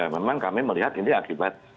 memang kami melihat ini akibat